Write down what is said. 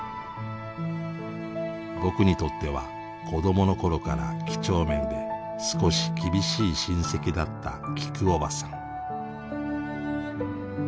僕にとっては子どもの頃から几帳面で少し厳しい親戚だったきくおばさん。